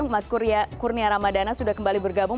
mas kurnia ramadana sudah kembali bergabung